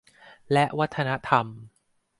และวัฒนธรรม